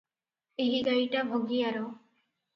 ଏହି ଗାଈଟା ଭଗିଆର ।